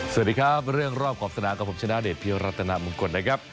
สวัสดีครับเรื่องรอบขอบสนามกับผมชนะเดชพิรัตนามงคลนะครับ